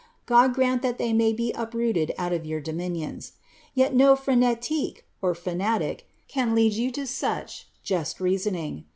God grant that they may be uprooted out of your dominions I Yet no phrenatique (fanatic) can you lead to such just iisasoning.